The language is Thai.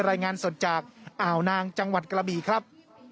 รายงานสดจากอ่าวนางจังหวัดกระบีครับ